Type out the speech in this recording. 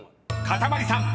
［かたまりさん］